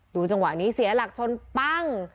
จังหวะนี้เสียหลักชนปั้ง